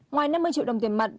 ngoài năm mươi triệu đồng tiền mặt